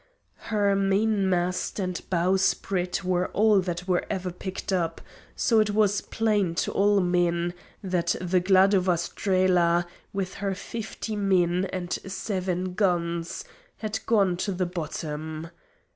Her mainmast and bowsprit were all that was ever picked up, so it was plain to all men that the Gladova Strela, with her fifty men and seven guns, had gone to the bottom.